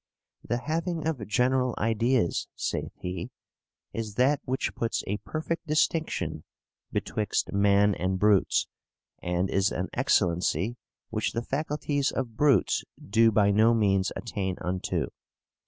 'The having of general ideas,' saith he, 'is that which puts a perfect distinction betwixt man and brutes, and is an excellency which the faculties of brutes do by no means attain unto.